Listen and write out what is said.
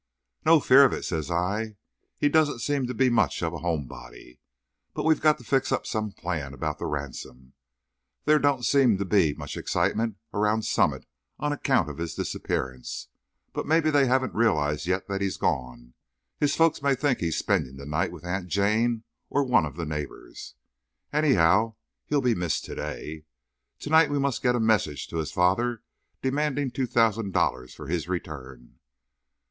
"No fear of it," says I. "He don't seem to be much of a home body. But we've got to fix up some plan about the ransom. There don't seem to be much excitement around Summit on account of his disappearance; but maybe they haven't realized yet that he's gone. His folks may think he's spending the night with Aunt Jane or one of the neighbours. Anyhow, he'll be missed to day. To night we must get a message to his father demanding the two thousand dollars for his return."